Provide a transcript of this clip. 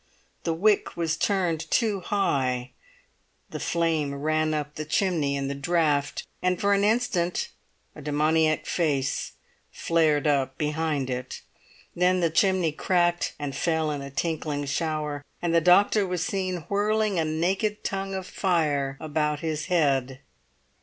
The wick was turned too high, the flame ran up the chimney in the draught, and for an instant a demoniac face flared up behind it. Then the chimney cracked, and fell in a tinkling shower, and the doctor was seen whirling a naked tongue of fire about his head.